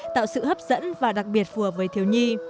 tạo sự hấp dẫn và đặc biệt phù hợp với thiếu nhi